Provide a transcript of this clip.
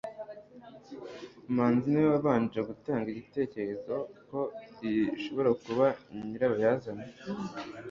manzi ni we wabanje gutanga igitekerezo ko iyi ishobora kuba nyirabayazana